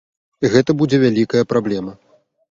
І гэта будзе вялікая праблема.